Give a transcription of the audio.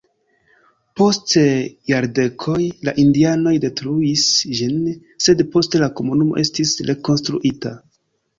Post jardekoj la indianoj detruis ĝin, sed poste la komunumo estis rekonstruita.